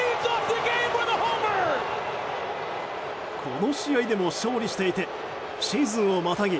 この試合でも勝利していてシーズンをまたぎ